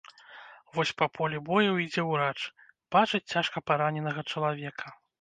Вось па полі бою ідзе ўрач, бачыць цяжка параненага чалавека.